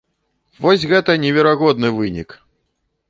Вось гэта неверагодны вынік!